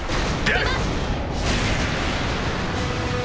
出ます！